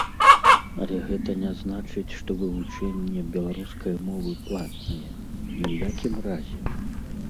Але гэта не значыць, што вывучэнне беларускай мовы платнае, ні ў якім разе!